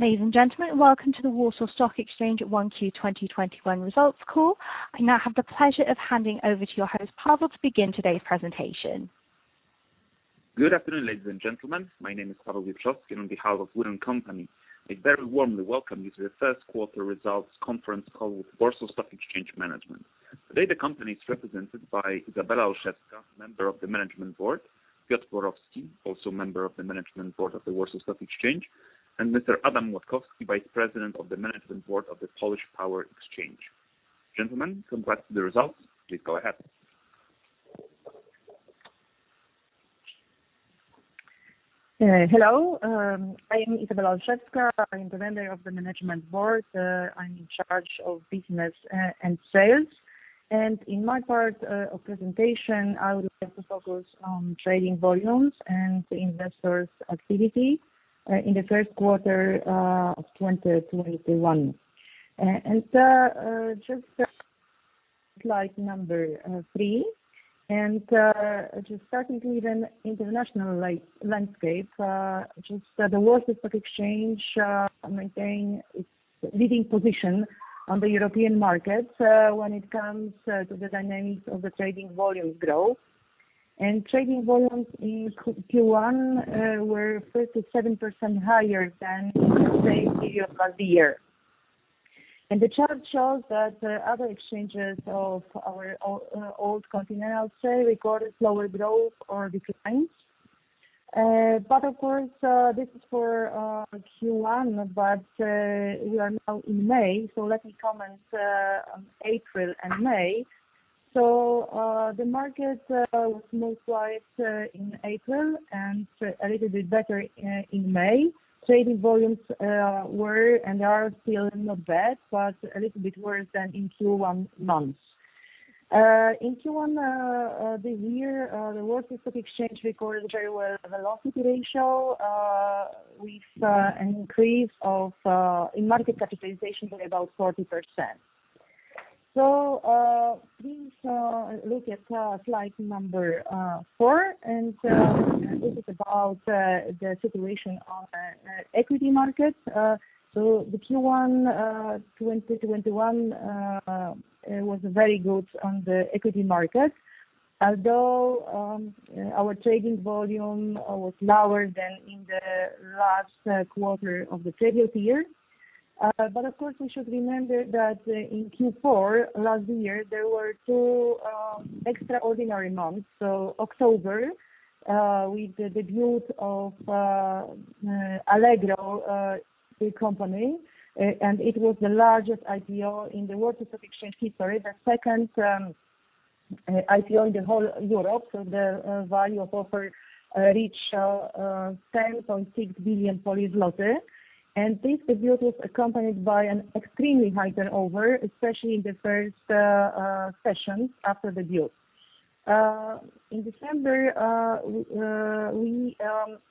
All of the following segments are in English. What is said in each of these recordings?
Ladies and gentlemen, welcome to the Warsaw Stock Exchange at 1Q 2021 results call. I now have the pleasure of handing over to your host Pawel, to begin today's presentation. Good afternoon, ladies and gentlemen. My name is Paweł Wieczorkowski. On behalf of Wood & Company, I very warmly welcome you to the first quarter results conference call with Warsaw Stock Exchange Management. Today, the company is represented by Izabela Olszewska, member of the management board, Piotr Borowski, also a member of the management board of the Warsaw Stock Exchange, and Mr. Adam Matuszak, Vice President of the management board of the Polish Power Exchange. Gentlemen, congrats on the results. Please go ahead. Hello. I'm Izabela Olszewska. I'm the member of the management board. I'm in charge of business and sales. In my part of presentation, I would like to focus on trading volumes and investors activity in the first quarter of 2021. Just Slide number three. Just starting with an international landscape, the Warsaw Stock Exchange maintaining its leading position on the European market when it comes to the dynamics of the trading volume growth. Trading volumes in Q1 were 37% higher than the same period last year. The chart shows that other exchanges of our old continent, say, recorded slower growth or declines. Of course, this is for Q1, we are now in May, let me comment on April and May. The market was more quiet in April and a little bit better in May. Trading volumes were and are still not bad, but a little bit worse than in Q1 months. In Q1 of the year, the Warsaw Stock Exchange recorded very well velocity ratio, with an increase in market capitalization by about 40%. Please look at Slide number four, and this is about the situation on equity markets. The Q1 2021, it was very good on the equity market, although our trading volume was lower than in the last quarter of the previous year. Of course, we should remember that in Q4 last year, there were two extraordinary months. October, with the debut of Allegro, the company, and it was the largest IPO in the Warsaw Stock Exchange history, the second IPO in the whole of Europe. The value of offer reached 10.6 billion, and this debut was accompanied by an extremely high turnover, especially in the first sessions after the debut. In December, we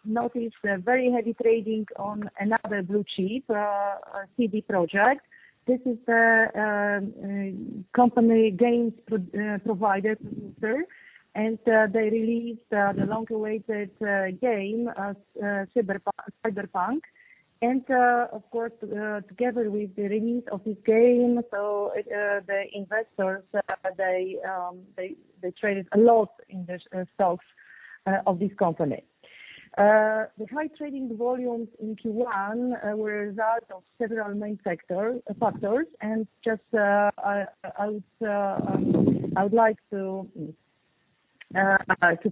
noticed very heavy trading on another blue chip, CD Projekt. This is a company games provider, and they released the long-awaited game, Cyberpunk. Of course, together with the release of this game, the investors, they traded a lot in the stocks of this company. The high trading volumes in Q1 were that of several main factors, and just I would like to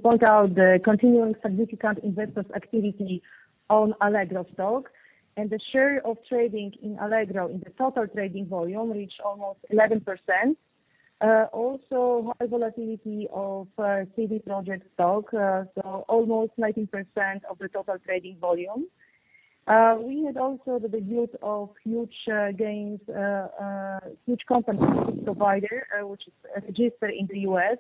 point out the continuing significant investors activity on Allegro stock and the share of trading in Allegro in the total trading volume reached almost 11%. Also, high volatility of CD Projekt stock, so almost 19% of the total trading volume. We had also the debut of Huuuge, Inc., which is registered in the U.S.,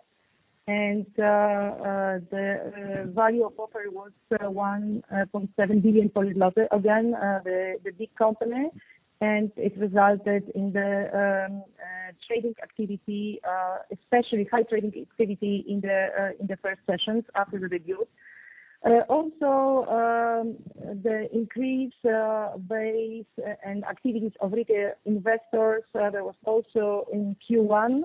and the value of offer was 1.7 billion. Again, the big company, and it resulted in the trading activity, especially high trading activity in the first sessions after the debut. Also, the increased base and activities of retail investors, that was also in Q1.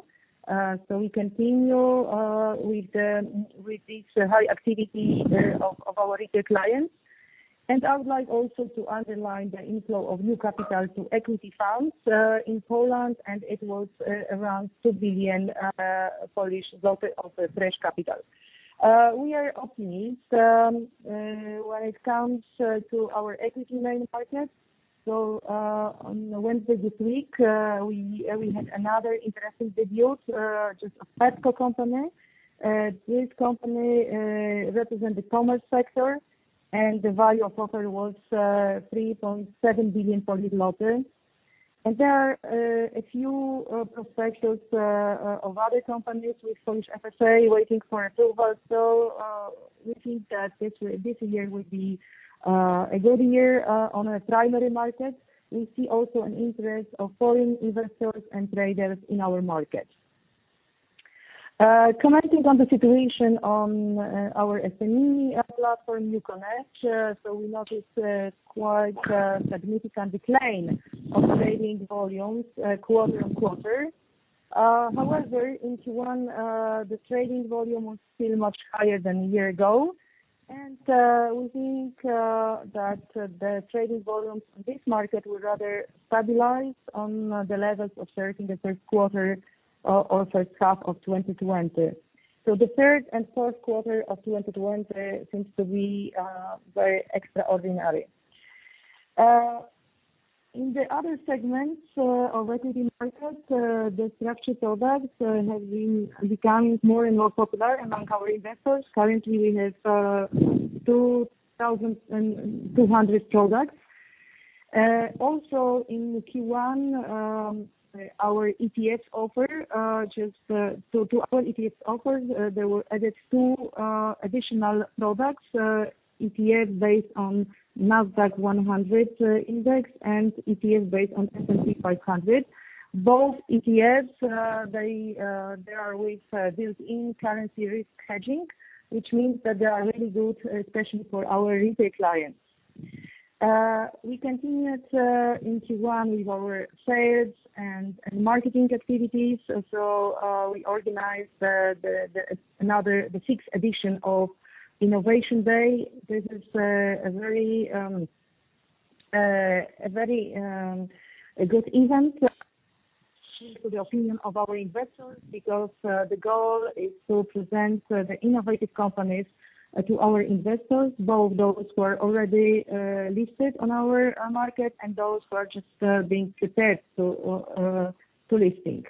We continue with this high activity of our retail clients. I would like also to underline the inflow of new capital to equity funds in Poland, and it was around 2 billion Polish zloty of fresh capital. We are optimistic when it comes to our equity markets. On Wednesday this week, we had another interesting debut, which is Pepco company. This company represent the commerce sector, and the value of offer was 3.7 billion. There are a few perspectives of other companies with Polish FSA waiting for approval. We think that this year would be a good year on a primary market. We see also an interest of foreign investors and traders in our markets. Commenting on the situation on our SME platform, NewConnect, we noticed a quite significant decline in trading volumes quarter-over-quarter. However, in Q1, the trading volume was still much higher than a year ago, and we think that the trading volume for this market will rather stabilize on the levels observed in the third quarter of 2020. The third and fourth quarter of 2020 seems to be very extraordinary. In the other segments of equity markets, the structured products have been becoming more and more popular among our investors. Currently, we have 2,200 products. In Q1, our ETF offer, to our ETF offer, there were added two additional products, ETF based on NASDAQ-100 Index and ETF based on S&P 500. Both ETFs, they are with built-in currency risk hedging, which means that they are little good, especially for our retail clients. We continued in Q1 with our sales and marketing activities. We organized the sixth edition of WSE Innovation Day. This is a very good event the opinion of our investors because the goal is to present the innovative companies to our investors, both those who are already listed on our market and those who are just being prepared to listing.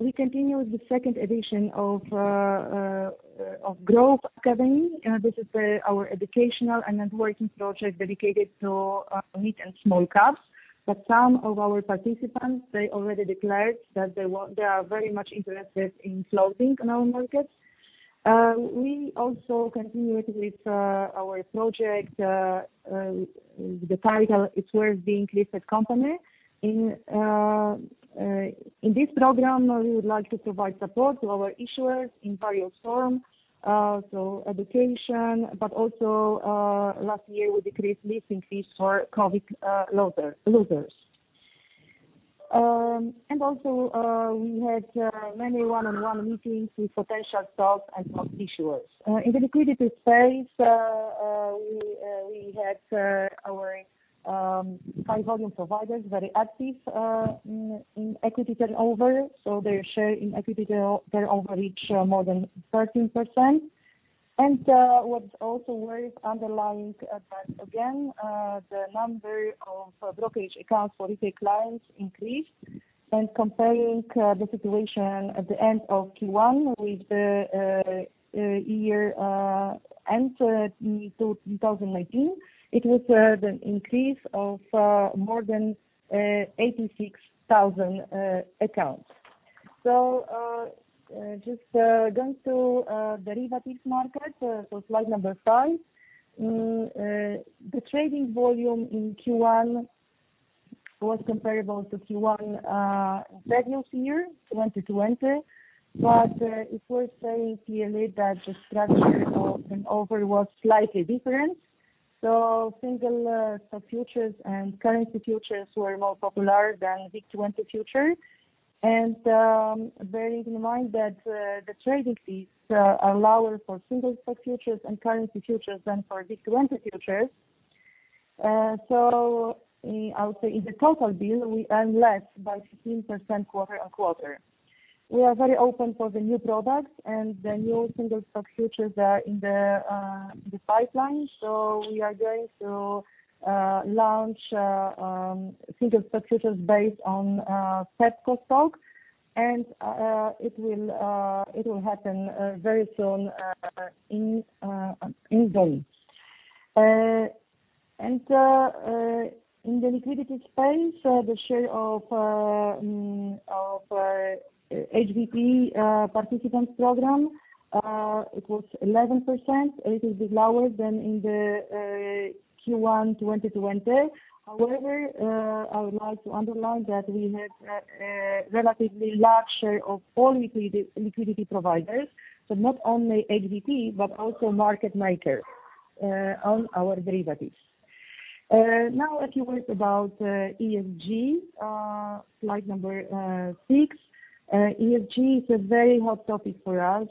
We continued the second edition of GPW Growth Academy. This is our educational and networking project dedicated to mid and small caps. Some of our participants, they already declared that they are very much interested in floating on our market. We also continued with our project, the title, It's Worth Being Listed Company. In this program, we would like to provide support to our issuers in various forms, so education, but also, last year we decreased listing fees for COVID losers. Also, we had many one-on-one meetings with potential stock and bond issuers. In the liquidity space, we had our high-volume providers very active in equity turnover, so their share in equity, their average, more than 13%. What also worth underlining that, again, the number of brokerage accounts for retail clients increased, and comparing the situation at the end of Q1 with the year end in 2019, it was an increase of more than 86,000 accounts. Just going to the derivatives market, so Slide number five. The trading volume in Q1 was comparable to Q1 last year, 2020. It's worth saying here that the structure of an order was slightly different. Single stock futures and currency futures were more popular than WIG20 futures. Bearing in mind that the trading fees are lower for single stock futures and currency futures than for WIG20 futures. I would say in the total bill, we earn less by 15% quarter-over-quarter. We are very open for the new products and the new single stock futures are in the pipeline. We are going to launch single stock futures based on Pepco stock, and it will happen very soon in days. In the liquidity space, the share of HVP participants program, it was 11%, a little bit lower than in the Q1 2020. However, I would like to underline that we had a relatively large share of all liquidity providers, so not only HVP but also market makers on our derivatives. Now a few words about ESG, Slide number six. ESG is a very hot topic for us.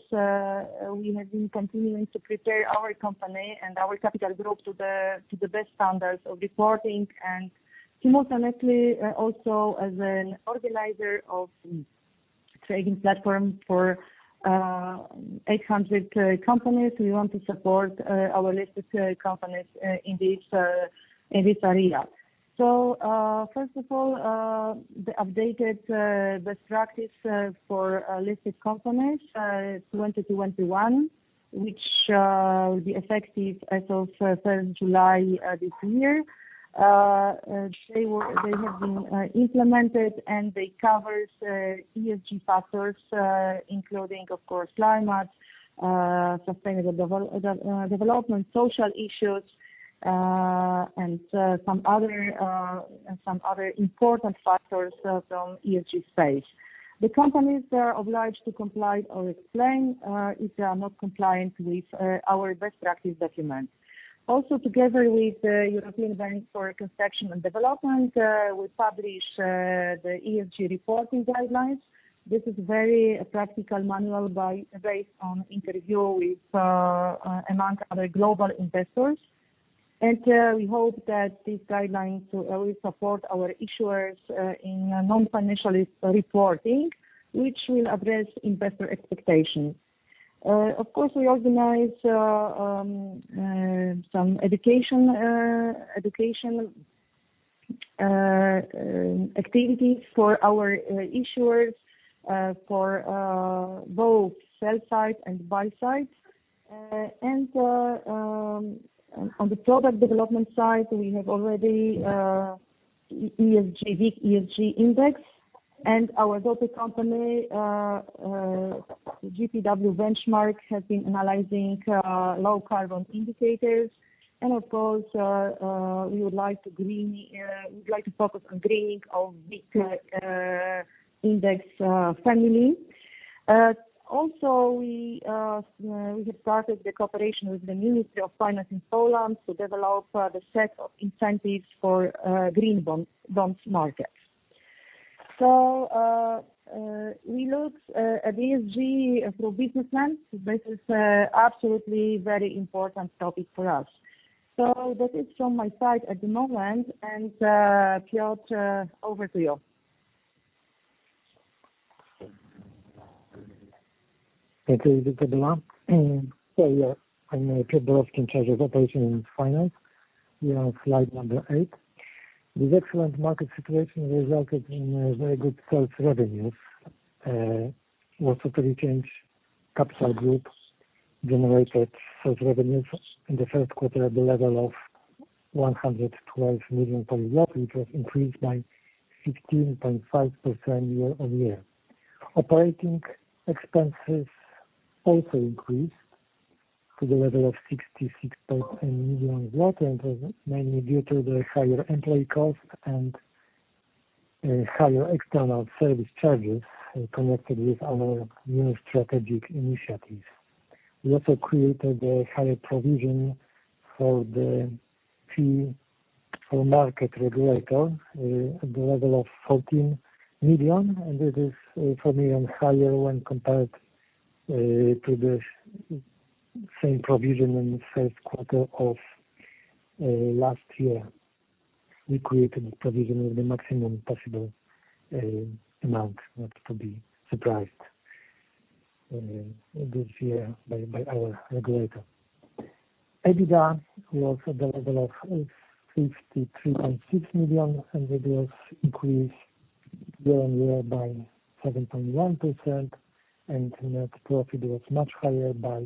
We have been continuing to prepare our company and our capital group to the best standards of reporting and simultaneously also as an organizer of trading platform for 800 companies. We want to support our listed companies in this area. First of all, the updated Best Practice for GPW Listed Companies 2021, which will be effective as of third July this year. They have been implemented, and they cover ESG factors, including, of course, climate, sustainable development, social issues and some other important factors from ESG space. The companies are obliged to comply or explain if they are not compliant with our best practice document. Together with the European Bank for Reconstruction and Development, we publish the ESG reporting guidelines. This is a very practical manual based on interviews with a number of global investors. We hope that these guidelines will support our issuers in non-financial reporting, which will address investor expectations. We organize some education activities for our issuers for both sell side and buy side. On the product development side, we have already the ESG index, and our daughter company, GPW Benchmark, has been analyzing low carbon indicators. We would like to focus on greening our big index family. We have started the cooperation with the Ministry of Finance in Poland to develop the set of incentives for green bond markets. We look at ESG as business. This is absolutely a very important topic for us. That is from my side at the moment. Piotr, over to you. Thank you, Izabela. Yeah, I'm Piotr Borowski, treasury operations and finance. We are on Slide number eight. The excellent market situation resulted in very good sales revenues. Also, to rechange, Capital Group generated such revenues in the first quarter at the level of 112 million, which was increased by 16.5% year-over-year. Operating expenses also increased to the level of 66.1 million PLN, and that's mainly due to the higher employee cost and higher external service charges connected with our new strategic initiatives. We also created a higher provision for the fee for market regulator at the level of 14 million, and it is four million higher when compared to the same provision in the first quarter of last year. We created a provision of the maximum possible amount not to be surprised this year by our regulator. EBITDA was at the level of 53.6 million, and that is increased year-on-year by 7.1%, and net profit was much higher by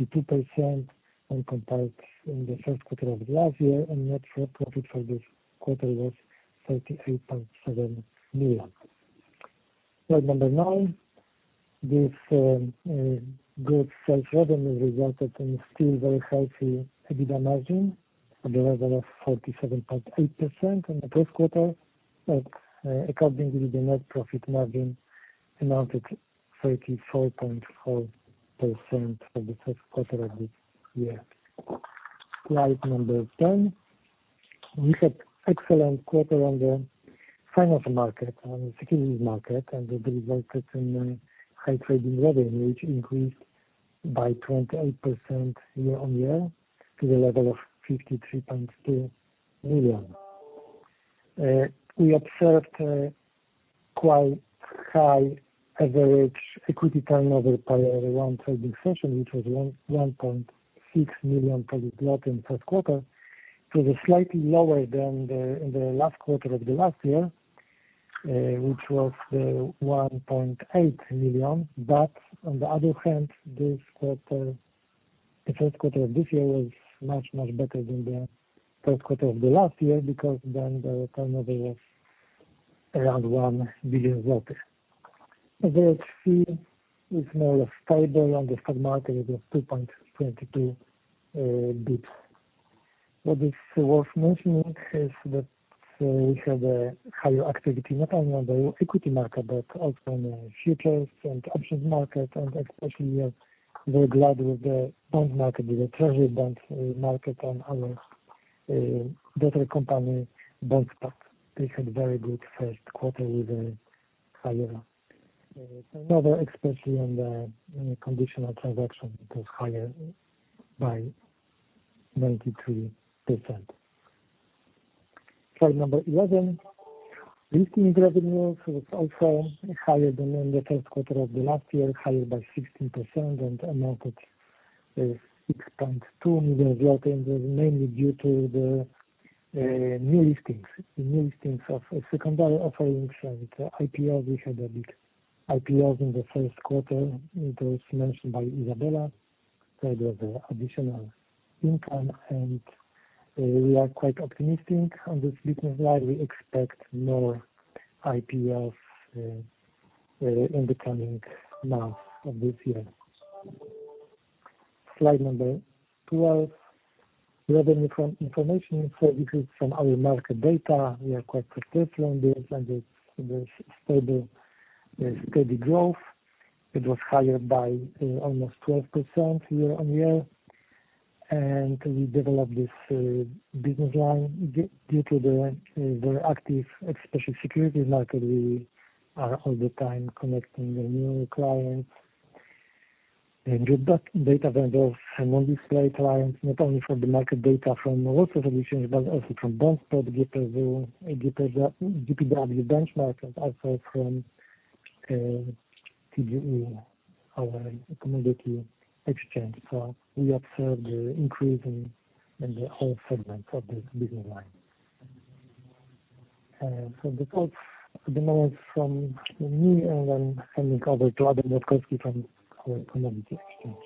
32% when compared in the first quarter of last year, and net profit for this quarter was 33.7 million. Slide number nine. This good sales revenue resulted in still very healthy EBITDA margin at the level of 37.8% in the first quarter. According to the net profit margin, amounted 34.4% for the first quarter of this year. Slide number 10. We had excellent quarter on the financial market, on the securities market, and it resulted in a high trading revenue, which increased by 28% year-on-year to the level of 53.2 million. We observed quite high average equity turnover per one trading session, which was 1.6 million in first quarter. It was slightly lower than the last quarter of the last year, which was 1.8 million. On the other hand, this quarter, the first quarter of this year was much, much better than the first quarter of the last year because then the turnover was around PLN 1 billion. The ADT is more or less stable on the stock market of PLN 2.72 billion. That is mostly because of the higher activity not only on the equity market but also on the futures and options market, and especially the gradual, the bond market, the treasury bond market, and our daughter company BondSpot. This had very good first quarter with a higher turnover, especially on the conditional transaction. It was higher by 93%. Slide number 11. Listing revenues was also higher than in the first quarter of the last year, higher by 16% and amounted 6.2 million. That's mainly due to the new listings of secondary offering, which are IPOs. We had big IPOs in the first quarter. It was mentioned by Izabela. We have additional income, and we are quite optimistic on this business line. We expect more IPOs in the coming months of this year. Slide number 12. Revenue information. This is some other market data. We are quite particular on this and it's stable. There's steady growth. It was higher by almost 12% year-on-year, and we developed this business line due to the very active specialty securities market. We are all the time connecting the new clients and data vendors. On this slide, clients, not only from the market data from lots of editions, but also from Bloomberg, GPW Benchmark, and also from TGE, our commodity exchange. We observe the increase in the whole segment of this business line. That's at the moment from me, sending over to Adam Matuszak from Polish Power Exchange.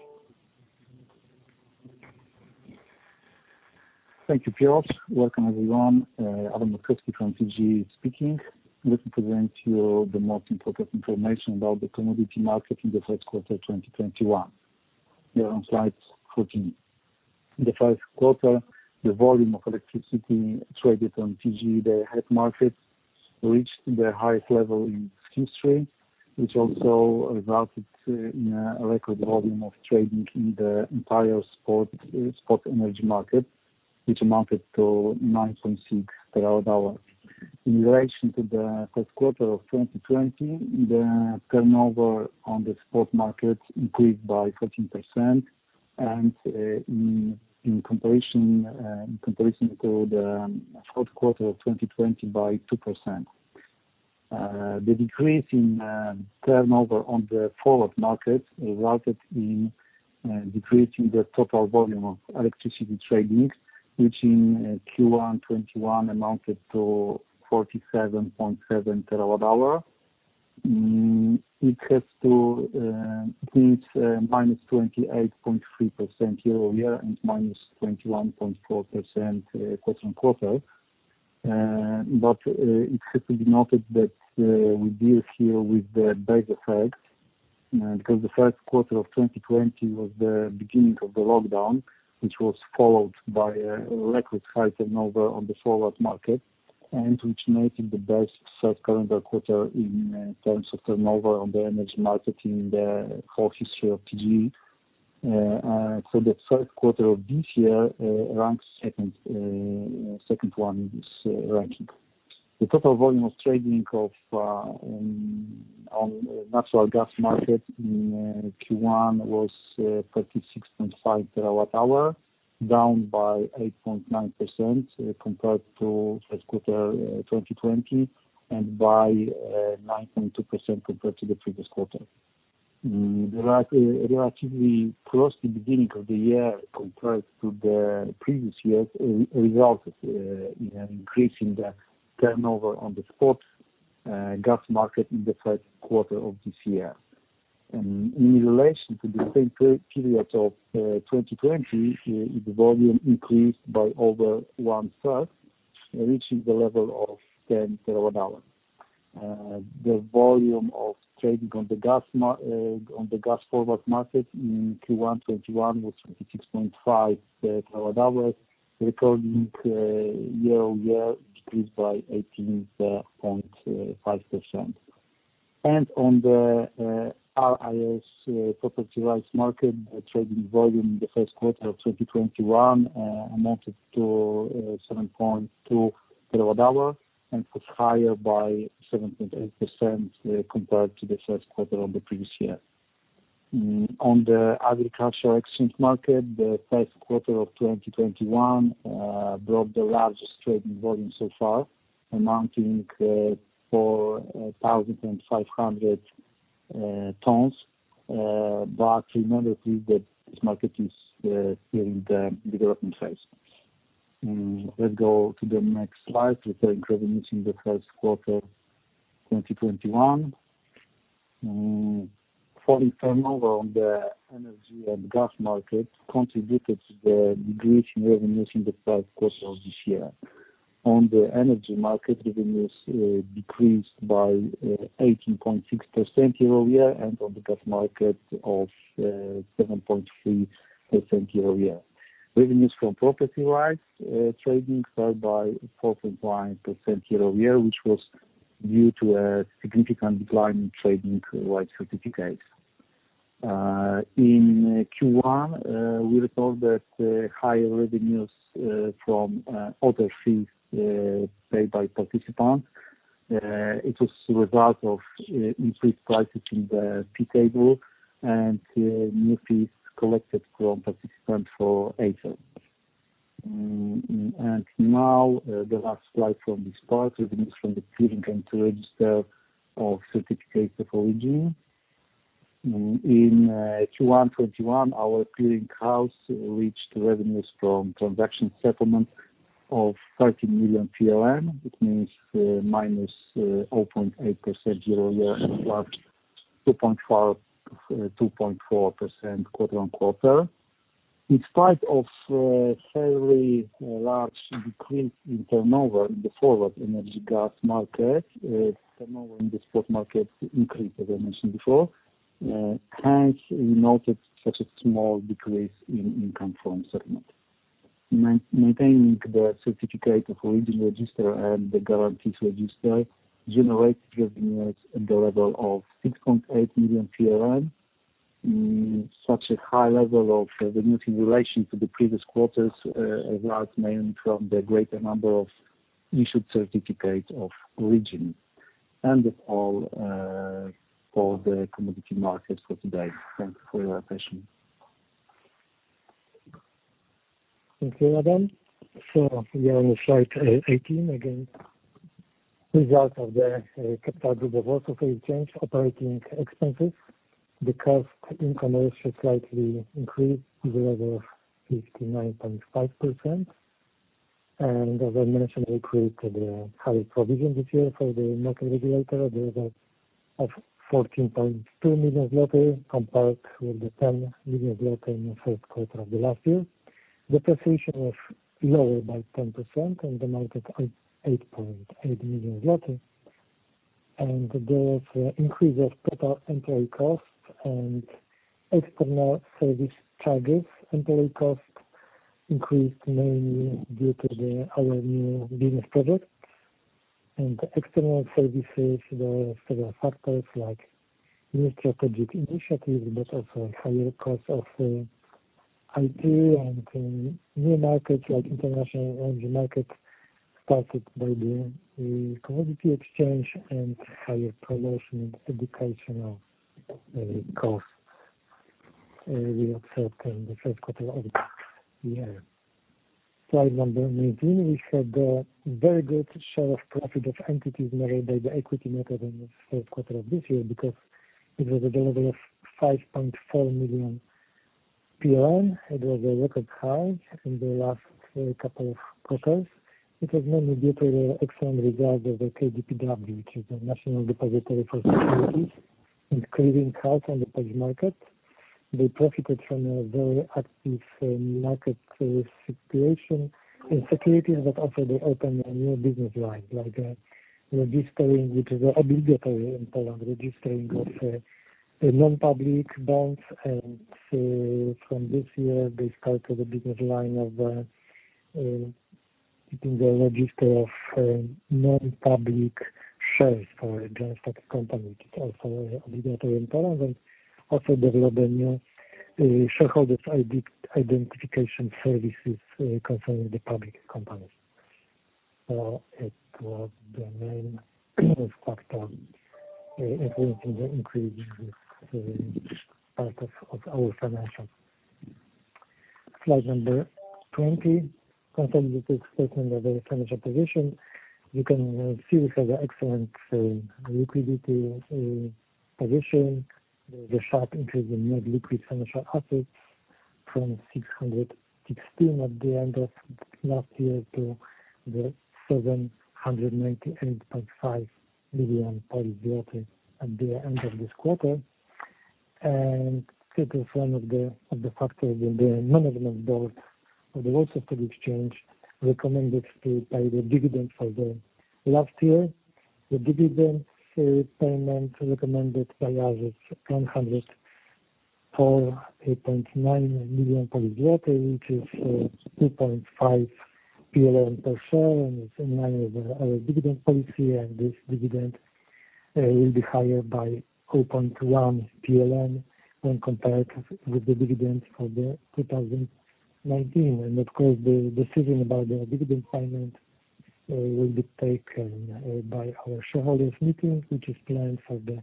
Thank you, Piotr. Welcome, everyone. Adam Matuszak from TGE speaking. Looking to bring to you the most important information about the commodity market in the first quarter of 2021. We are on Slide 13. In the first quarter, the volume of electricity traded on TGE, day-ahead market, reached the highest level in its history, which also resulted in a record volume of trading in the entire spot energy market, which amounted to 9.6 TWh. In relation to the first quarter of 2020, the turnover on the spot market increased by 13% and in comparison to the first quarter of 2020, by 2%. The decrease in turnover on the forward market resulted in a decrease in the total volume of electricity trading, which in Q1 2021 amounted to 47.7 TWh. It has to reach -28.3% year-over-year and -21.4% quarter-over-quarter. It should be noted that we deal here with the base effect, because the first quarter of 2020 was the beginning of the lockdown, which was followed by a record high turnover on the forward market, and which made it the best first calendar quarter in terms of turnover on the energy market in the whole history of TGE. For the first quarter of this year, ranks second on this ranking. The total volume of trading on the natural gas market in Q1 was 36.5 TWh, down by 8.9% compared to first quarter 2020 and by 9.2% compared to the previous quarter. Relatively frosty beginning of the year compared to the previous years, resulted in an increase in the turnover on the spot gas market in the first quarter of this year. In relation to the same period of 2020, the volume increased by over one-third, reaching the level of 10 TWh. The volume of trading on the gas forward market in Q1 2021 was 36.5 TWh, recording a year-over-year decrease by 18.5%. On the RES property rights market, the trading volume in the first quarter of 2021 amounted to 7.2 TWh and was higher by 17.8% compared to the first quarter of the previous year. On the agricultural exchange market, the first quarter of 2021 brought the largest trading volume so far, amounting 4,500 tons. We know that this market is still in the development phases. Let's go to the next slide, referring to revenue in the first quarter 2021. Falling turnover on the energy and gas markets contributed to the decrease in revenue in the first quarter of this year. On the energy market, revenues decreased by 18.6% year-over-year, and on the gas market, of 7.3% year-over-year. Revenues from property rights trading fell by 4.1% year-over-year, which was due to a significant decline in trading rights certificates. In Q1, we record that higher revenues from other fees paid by participants. It was a result of increased prices in the P-table and new fees collected from participants for agents. Now, the last slide from this part, revenues from the clearing and register of certificates of origin. In Q1 2021, our clearing house reached revenues from transaction settlement of 30 million, which means minus 0.8% year-over-year, but 2.4% quarter-on-quarter. In spite of a fairly large decrease in turnover in the forward energy gas market, turnover in the spot market increased, as I mentioned before. Hence, we noted such a small decrease in income from segments. Maintaining the certificate of origin register and the guarantees register generated revenues at the level of 6.8 million. Such a high level of revenue in relation to the previous quarters was mainly from the greater number of issued certificate of origin. That's all for the commodity market for today. Thanks for your attention. Thank you, Adam. We are on Slide 18 again. As a result of the capital of the Warsaw Stock Exchange operating expenses, the cost income ratio slightly increased to the level of 59.5%. as I mentioned, we created a high provision this year for the market regulator at the level of 14.2 million zloty, compared with the 10 million zloty in the first quarter of last year. Depreciations was lower by 10% and amounted to 8.8 million zloty. there was an increase of total employee costs and external service charges. Employee cost increased mainly due to our new business projects, and external services, there are several factors like new strategic initiatives, but also higher cost of IT and new markets like international energy markets started by the commodity exchange and higher promotion and educational cost we observed in the first quarter of this year. Slide number 19. We had a very good share of profit of entities measured by the equity method in the first quarter of this year because it was at the level of 5.4 million. It was a record high in the last couple of quarters. It was mainly due to the excellent results of the KDPW, which is the National Depository for Securities and Clearing House on the Polish market. They profited from a very active market situation and securities, but also they opened a new business line like the registering, which is obligatory in Poland, registering of non-public bonds, and from this year they started a business line of keeping the register of non-public shares for joint stock companies. It's also obligatory in Poland and also developed a new shareholders identification services concerning the public companies. It was the main factor influencing the increase in this part of our financials. Slide number 20 continues the statement of the financial position. You can see we have an excellent liquidity position. The sharp increase in net liquid financial assets from 616 at the end of last year to 798.5 million PLN at the end of this quarter. This is one of the factors, the management board of the Warsaw Stock Exchange recommended to pay the dividends for the last year. The dividends payment recommended by us is 104.9 million PLN, which is 2.5 PLN per share, and it's in line with our dividend policy, and this dividend will be higher by 2.1 PLN when compared with the dividends for 2019. Of course, the decision about the dividend payment will be taken by our shareholders' meeting, which is planned for the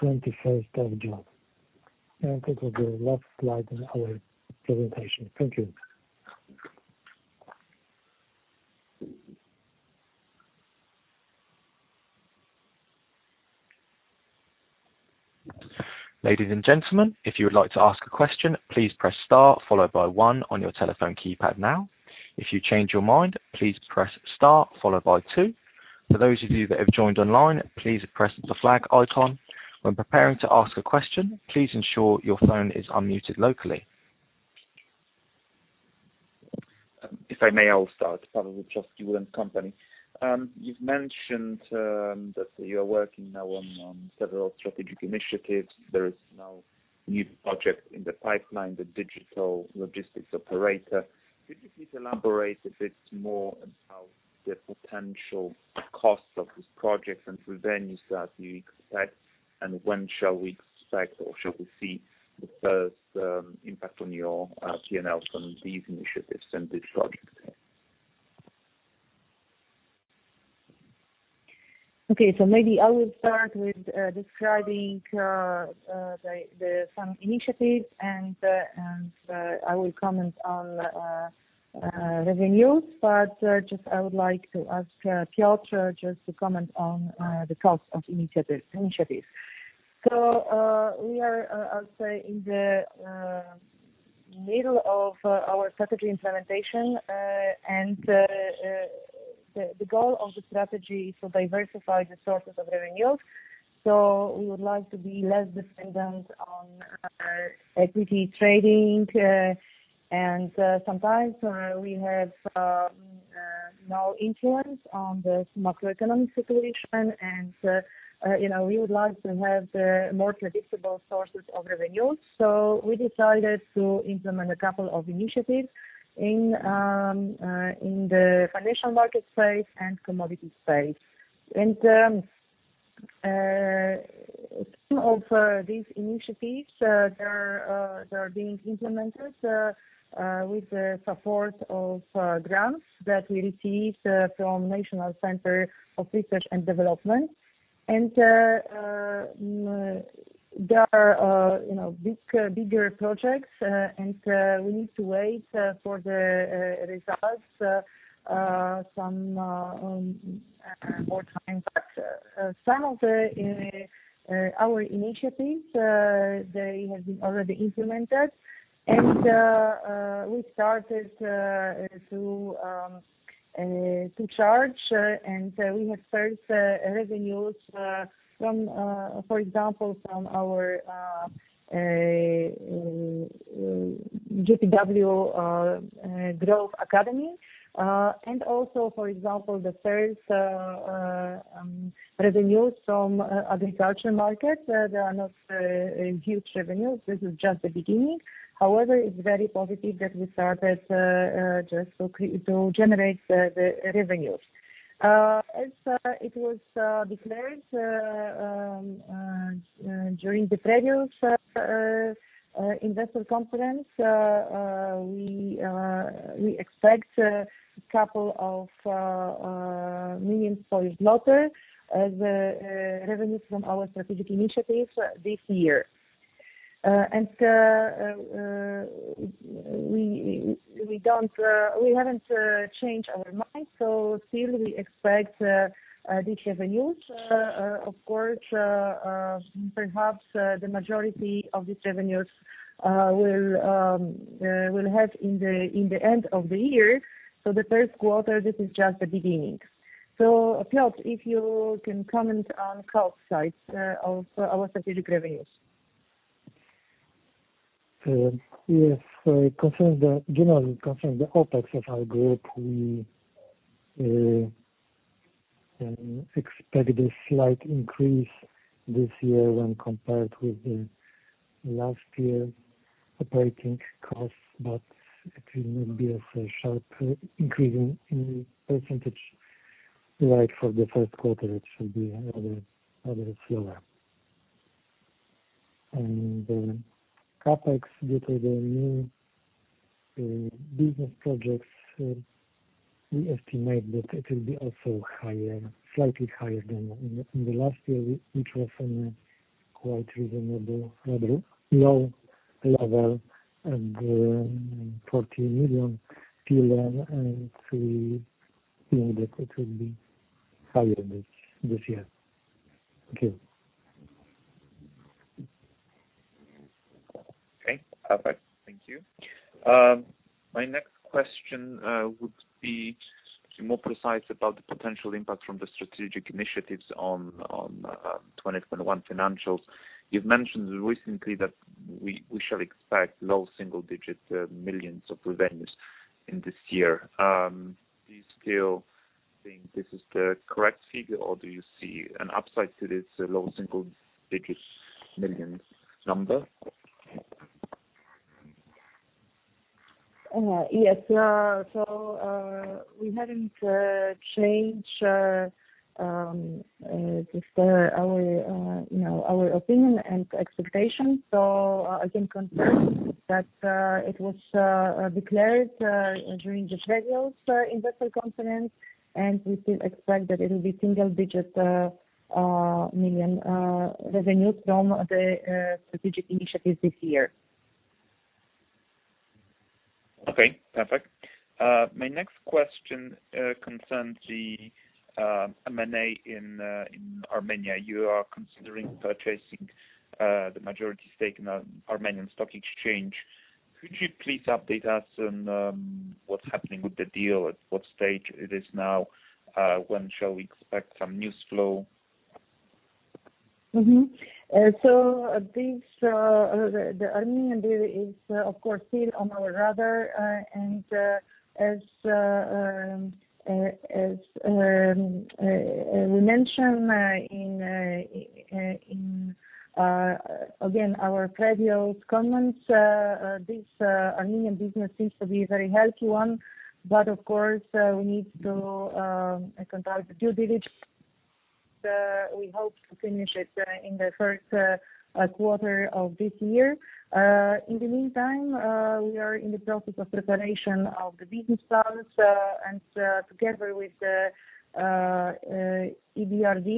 21st of June. This is the last slide in our presentation. Thank you. Ladies and gentlemen, if you would like to ask a question, please press star followed by one on your telephone keypad now. If you change your mind, please press star followed by two. For those of you that have joined online, please press the flag icon. When preparing to ask a question, please ensure your phone is unmuted locally. If I may, I'll start. Probably just Wood & Company. You've mentioned that you're working now on several strategic initiatives. There is now new project in the pipeline, the digital logistics operator. Could you please elaborate a bit more on how the potential cost of this project and revenues that you expect, and when shall we expect or shall we see the first impact on your P&L from these initiatives and this project? Okay. Maybe I will start with describing some initiatives, and I will comment on revenues. I would like to ask Piotr to just to comment on the cost of initiatives. We are, I'll say, in the middle of our strategic implementation, and The goal of the strategy is to diversify the sources of revenue. We would like to be less dependent on our equity trading. Sometimes we have no influence on this macroeconomic situation, and we would like to have more predictable sources of revenue. We decided to implement a couple of initiatives in the financial market space and commodity space. Two of these initiatives, they are being implemented with the support of grants that we received from National Centre for Research and Development. They are bigger projects, and we need to wait for the results some more time. Some of our initiatives, they have been already implemented, and we started to charge, and we have first revenues, for example, from our GPW Growth Academy. Also, for example, the first revenues from agriculture markets. They are not huge revenues. This is just the beginning. However, it's very positive that we started just to generate the revenues. As it was declared during the previous investor conference, we expect a couple of million PLN as revenues from our strategic initiatives this year. we haven't changed our minds, so still we expect these revenues. Of course, perhaps the majority of these revenues we'll have in the end of the year. the first quarter, this is just the beginning. Piotr, if you can comment on the upside of our strategic revenues. Yes. Generally, concerning the OpEx of our group, we expect a slight increase this year when compared with the last year operating costs, but it will be a sharp increase in percentage, while for the first quarter it should be rather slower. The CapEx due to the new business projects, we estimate that it will be also slightly higher than in the last year, which was on a quite reasonable, rather low level at 14 million. Still, we know that it will be higher this year. Thank you. Okay, perfect. Thank you. My next question would be to be more precise about the potential impact from the strategic initiatives on 2021 financials. You've mentioned recently that we shall expect low single-digit millions of revenues in this year. Do you still think this is the correct figure, or do you see an upside to this low single-digit millions number? Yes. We haven't changed our opinion and expectation. I can confirm that it was declared during this regular investor conference, and we still expect that it will be single-digit million revenues from the strategic initiatives this year. Okay, perfect. My next question concerns the M&A in Armenia. You are considering purchasing the majority stake in Armenia Stock Exchange. Could you please update us on what's happening with the deal, at what stage it is now? When shall we expect some news flow? This, the Armenian deal is, of course, still on our radar, and as we mentioned in, again, our previous comments, this Armenian business seems to be a very healthy one, but of course, we need to conduct due diligence. We hope to finish it in the first quarter of this year. In the meantime, we are in the process of preparation of the data files and together with EBRD.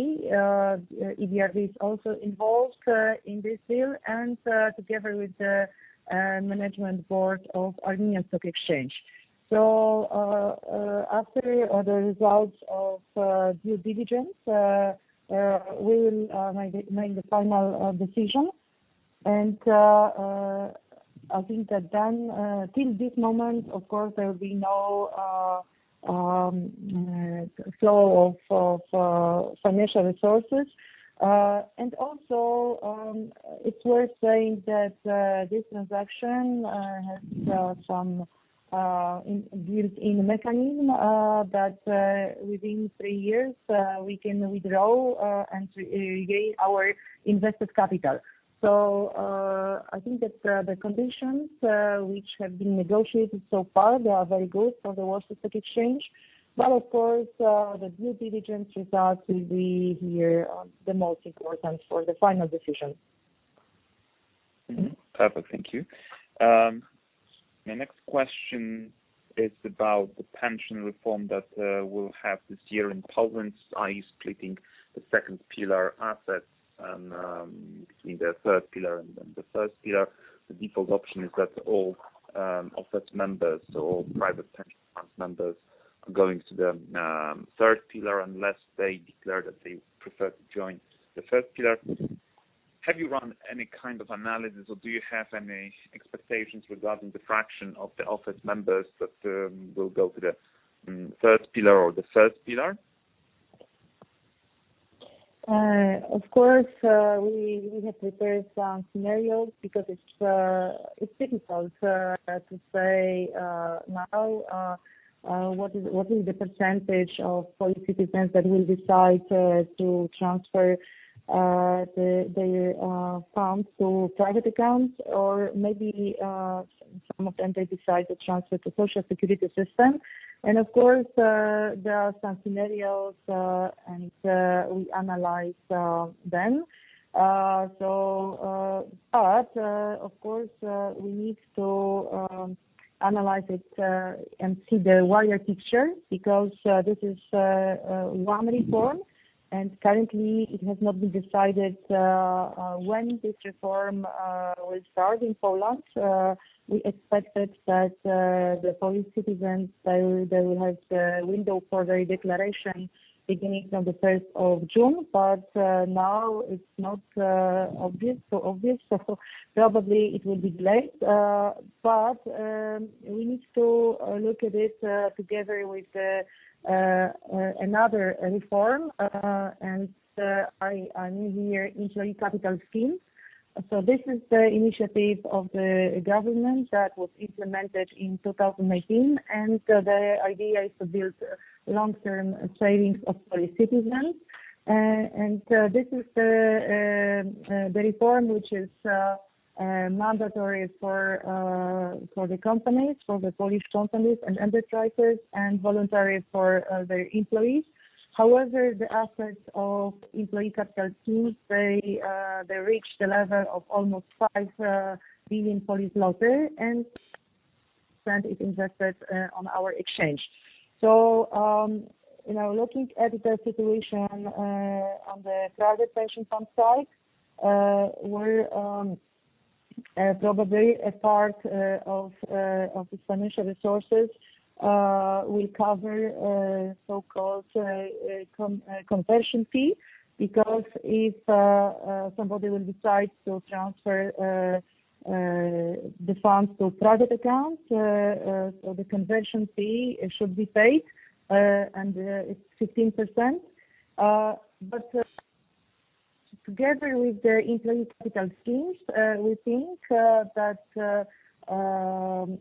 EBRD is also involved in this deal, and together with the management board of Armenia Stock Exchange. After the results of due diligence, we will make the final decision. I think that then till this moment, of course, there'll be no flow of financial resources. Also, it's worth saying that this transaction has some built-in mechanism that within three years we can withdraw and regain our invested capital. I think that the conditions which have been negotiated so far are very good for the Warsaw Stock Exchange, but of course, the due diligence results will be here the most important for the final decision. Perfect, thank you. My next question is about the pension reform that we'll have this year in Poland. I was clicking the second pillar assets and between the third pillar and then the first pillar, the default option is that all OFE members or private pension fund members are going to the third pillar unless they declare that they prefer to join the first pillar. Have you run any kind of analysis, or do you have any expectations regarding the fraction of the OFE members that will go to the third pillar or the first pillar? Of course, we have prepared some scenarios because it's difficult to say now what is the percentage of Polish citizens that will decide to transfer their funds to private accounts, or maybe some of them they decide to transfer to social security system. Of course, there are some scenarios, and we analyze them. Of course, we need to analyze it and see the wider picture because this is one reform, and currently, it has not been decided when this reform will start in Poland. We expected that the Polish citizens, they will have the window for their declaration beginning on the 1st of June, but now it's not obvious, so probably it will be delayed. We need to look at it together with another reform, and I mean here Employee Capital Plans. This is the initiative of the government that was implemented in 2019, and the idea is to build long-term savings of Polish citizens. This is the reform which is mandatory for the Polish companies and enterprises and voluntary for their employees. However, the assets of Employee Capital Plans, they reached the level of almost 5 billion, and it is invested on our exchange. Now looking at the situation on the private pension fund side, where probably a part of these financial resources will cover a so-called conversion fee because if somebody will decide to transfer the funds to a private account, the conversion fee should be paid, and it's 15%. Together with the Employee Capital Plans, we think that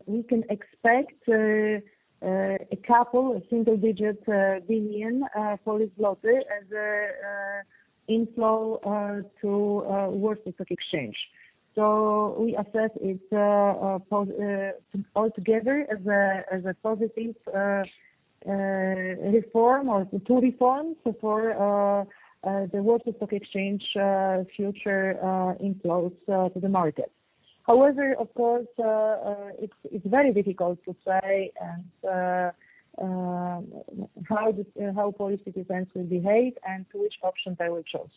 we can expect a couple, PLN single-digit billion as inflow to Warsaw Stock Exchange. we assess it altogether as a positive reform or two reforms for the Warsaw Stock Exchange future inflows to the market. However, of course, it's very difficult to say how Polish citizens will behave and which options they will choose.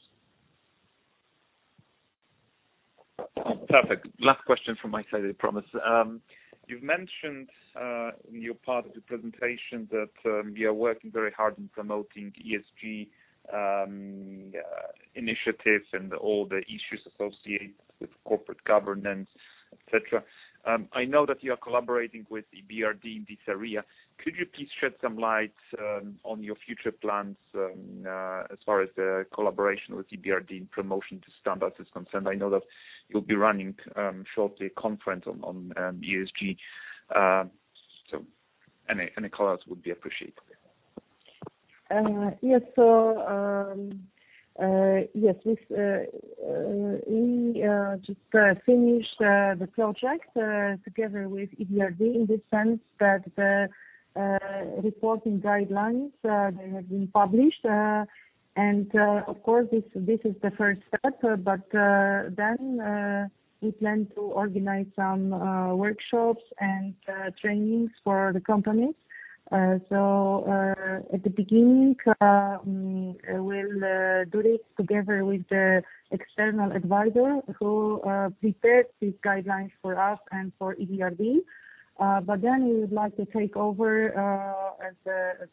Perfect. Last question from my side, I promise. You've mentioned in your part of the presentation that you are working very hard in promoting ESG initiatives and all the issues associated with corporate governance, et cetera. I know that you are collaborating with EBRD in this area. Could you please shed some light on your future plans as far as the collaboration with EBRD and promotion to standards is concerned? I know that you'll be running shortly a conference on ESG. Any color would be appreciated. Yes, we just finished the project together with EBRD in the sense that the reporting guidelines, they have been published. Of course, this is the first step, but then we plan to organize some workshops and trainings for the companies. At the beginning, we'll do it together with the external advisor who prepared these guidelines for us and for EBRD. We would like to take over as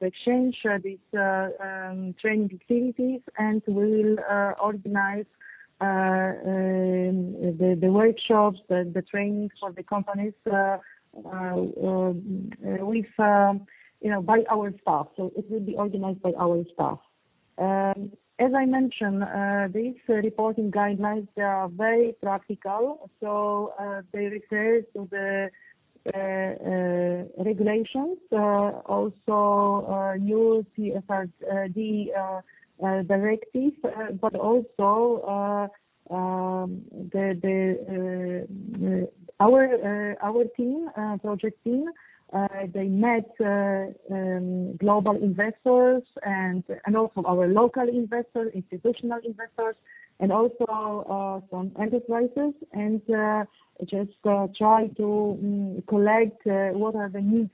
a change these training activities, and we'll organize the workshops, the trainings for the companies by our staff. It will be organized by our staff. As I mentioned, these reporting guidelines are very practical. They refer to the regulations, also new CSRD directives, but also our project team met global investors and also our local investors, institutional investors, and also some enterprises, and just try to collect what are the needs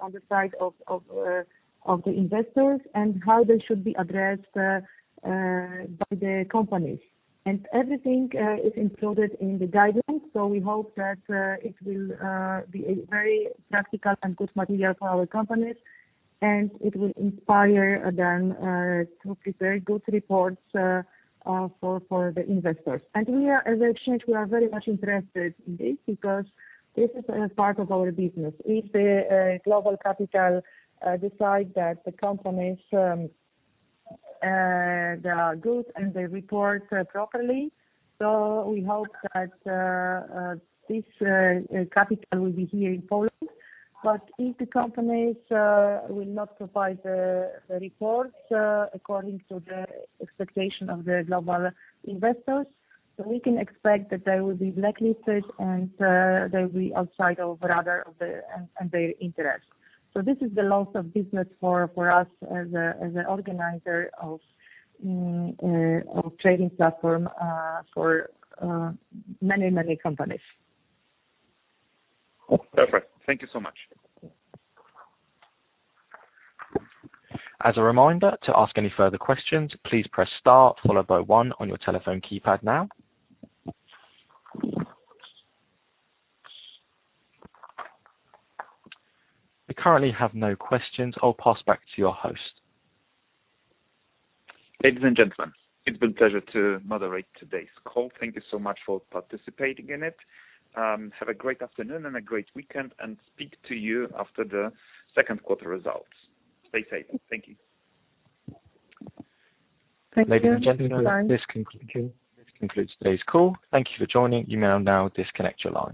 on the side of the investors and how they should be addressed by the companies. Everything is included in the guidance. We hope that it will be a very practical and good material for our companies, and it will inspire them to prepare good reports for the investors. We as a exchange are very much interested in this because this is a part of our business. If the global capital decide that the companies are good and they report properly, so we hope that this capital will be here in Poland. If the companies will not provide the reports according to the expectation of the global investors, so we can expect that they will be blacklisted and they'll be outside of the radar and the interest. This is a lot of business for us as an organizer of trading platform for many companies. Perfect. Thank you so much. As a reminder, to ask any further questions, please press star followed by one on your telephone keypad now. We currently have no questions. I'll pass back to your host. Ladies and gentlemen, it's been a pleasure to moderate today's call. Thank you so much for participating in it. Have a great afternoon and a great weekend, and speak to you after the second quarter results. Stay safe. Thank you. Thank you. Bye. Ladies and gentlemen, this concludes today's call. Thank you for joining. You may now disconnect your line.